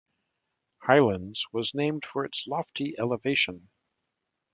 Highlands was named for its lofty elevation.